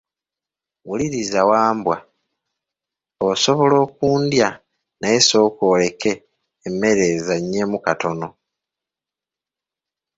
Wuliriza Wambwa, osobola okundya naye sooka oleke emmere ezaanyemu katono.